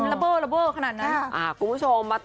กลุ่มผู้ชม